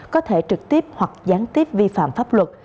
có thể trực tiếp hoặc gián tiếp vi phạm pháp luật